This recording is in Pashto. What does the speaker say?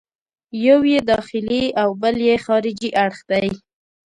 یو یې داخلي او بل یې خارجي اړخ دی.